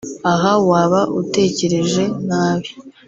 Aha waba utekereje nabi